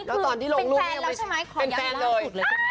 อันนี้คือเป็นแฟนแล้วใช่ไหม